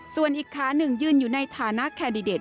ส่วนอีกขาหนึ่งยืนอยู่ในฐานะแคนดิเดต